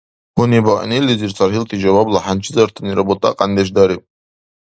Гьунибаънилизир цархӀилти жавабла хӀянчизартанира бутӀакьяндеш дариб.